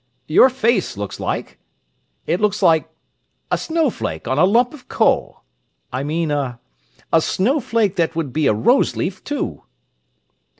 "Your face looks like—it looks like a snowflake on a lump of coal. I mean a—a snowflake that would be a rose leaf, too!"